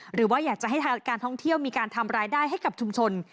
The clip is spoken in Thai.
หรือว่าอยากจะให้ทางการท่องเที่ยวมีการทำรายได้ให้กับชุมชน